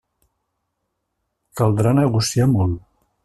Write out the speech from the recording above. Caldrà negociar molt.